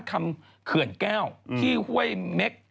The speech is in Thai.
เขื่อนแก้วที่ห้วยเม็ก